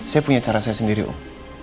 saya punya cara saya sendiri om